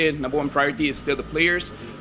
saya akan mengatakan kepentingan pertama adalah para pemain